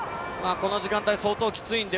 この時間帯、相当きついんで。